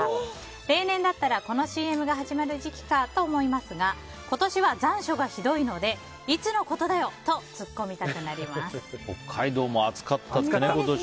例年だったらこのＣＭが始まる時期かと思いますが今年は残暑がひどいのでいつのことだよ！と北海道も今年暑かったですね。